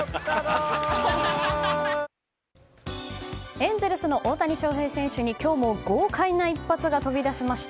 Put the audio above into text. エンゼルスの大谷翔平選手に今日も豪快な一発が飛び出しました。